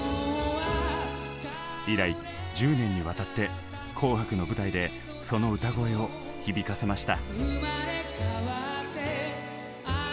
以来１０年にわたって「紅白」の舞台でその歌声を響かせました。